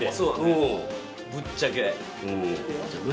うんぶっちゃけ。